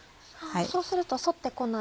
そうすると反って来ない？